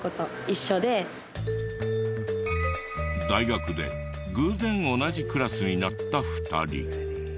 大学で偶然同じクラスになった２人。